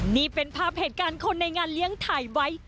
นี่เป็นภาพเหตุการณ์คนในงานเลี้ยงถ่ายไว้